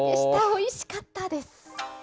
おいしかったです。